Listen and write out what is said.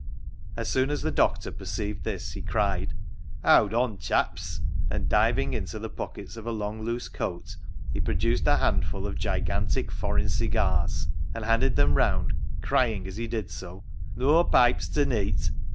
As soon as the doctor perceived this he *cried, " Howd on, chaps," and diving into the pockets of a long loose coat, he produced a handful of gigantic foreign cigars and handed them round, crying as he did so —Noa pipes ta neet.